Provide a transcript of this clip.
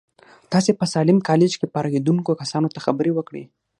تاسې په ساليم کالج کې فارغېدونکو کسانو ته خبرې وکړې.